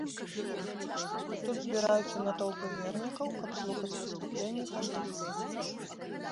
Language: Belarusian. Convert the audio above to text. Тут збіраюцца натоўпы вернікаў, каб слухаць выступленні пантыфіка.